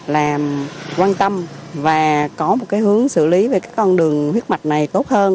làm quan tâm và có một cái hướng xử lý về các con đường huyết mạch này tốt hơn